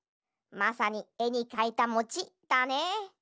まさに「えにかいたもち」だね。